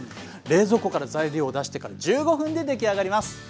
冷蔵庫から材料を出してから１５分で出来上がります。